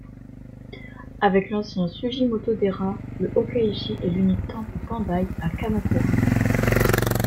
Avec l'ancien Sugimoto-dera, le Hōkai-ji est l'unique temple Tendai à Kamakura.